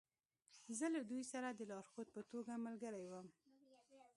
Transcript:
زه له دوی سره د لارښود په توګه ملګری وم